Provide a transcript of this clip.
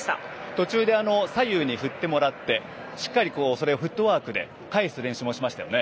途中で左右に振ってもらってしっかりそれをフットワークで返す練習もしていましたね。